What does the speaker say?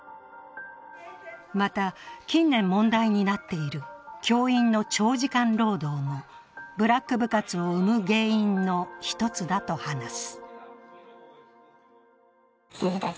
また、近年問題になっている教員の長時間労働もブラック部活を生む原因の一つだと話す。